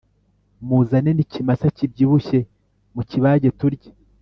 muzane nikimasa kibyibushye mukibage turye